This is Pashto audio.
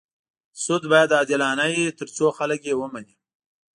سود باید عادلانه وي تر څو خلک یې ومني.